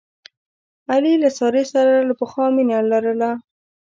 علي له سارې سره له پخوا مینه لرله.